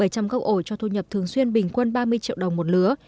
bảy trăm linh gốc ổi cho thu nhập thường xuyên bình quân ba mươi triệu đồng một lứa